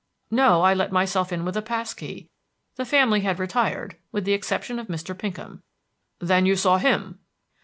"No, I let myself in with a pass key. The family had retired, with the exception of Mr. Pinkham." "Then you saw him?"